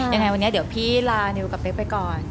ยังไงวันนี้เดี๋ยวพี่ลานิวกับเป๊กไปก่อน